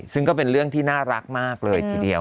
ซึ่งก็เป็นเรื่องที่น่ารักมากเลยทีเดียว